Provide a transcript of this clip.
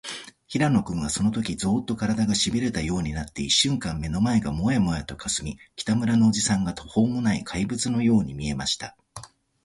平野君は、そのとき、ゾーッと、からだが、しびれたようになって、いっしゅんかん目の前がモヤモヤとかすみ、北村のおじさんが、とほうもない怪物のように見えました。